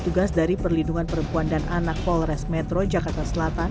petugas dari perlindungan perempuan dan anak polres metro jakarta selatan